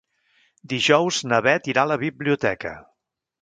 Dijous na Bet irà a la biblioteca.